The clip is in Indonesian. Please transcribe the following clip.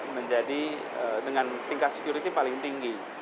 menjadi dengan tingkat security paling tinggi